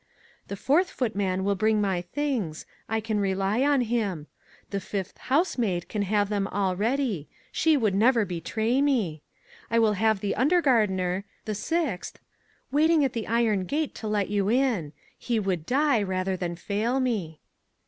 The fourth footman will bring my things I can rely on him; the fifth housemaid can have them all ready she would never betray me. I will have the undergardener the sixth waiting at the iron gate to let you in; he would die rather than fail me."